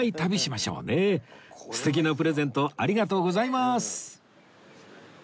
素敵なプレゼントありがとうございます！